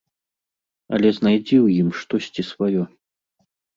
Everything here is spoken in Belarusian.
Але знайдзі ў ім штосьці сваё.